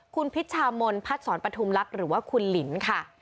คุณพิชามนพัดศรปฐุมลักษณ์หรือว่าคุณหลินค่ะ